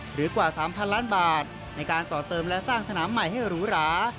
หรือกว่า๓๐๐ล้านบาทในการต่อเติมและสร้างสนามใหม่ให้หรูหรา